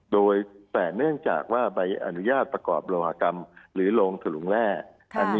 โดยแต่เนื่องจากว่าใบอนุญาตประกอบโลหกรรมหรือโรงถลุงแร่